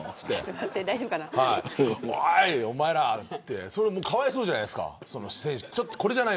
おい、おまえらってかわいそうじゃないですか。